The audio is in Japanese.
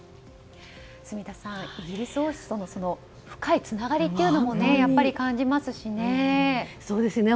住田さん、イギリス王室との深いつながりもやっぱり感じますしね。